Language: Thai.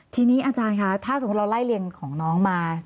ทีนี้อาจารย์คะถ้าสมมุติเราไล่เรียนของน้องมา